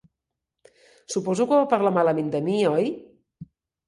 Suposo que va parlar malament de mi, oi?